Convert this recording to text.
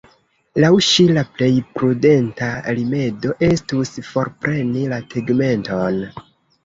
Laŭ ŝi la plej prudenta rimedo estus forpreni la tegmenton.